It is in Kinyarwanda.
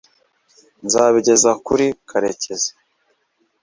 nzabigeza kuri karekezi